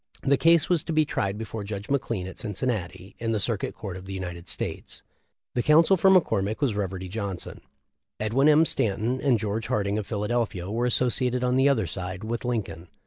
The case was to be tried before Judge McLean at Cincinnati, in the Circuit Court of the United States. The counsel for McCormick was Reverdy Johnson. Edwin M. Stanton and George Harding, of Philadelphia, were associated on the other side with Lincoln.